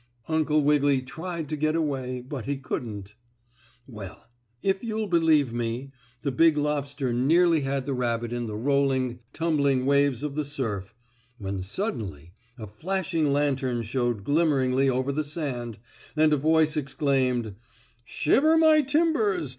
Uncle Wiggily tried to get away, but he couldn't. Well, if you'll believe me, the big lobster nearly had the rabbit in the rolling, tumbling waves of the surf, when suddenly a flashing lantern showed glimmeringly over the sand, and a voice exclaimed: "Shiver my timbers!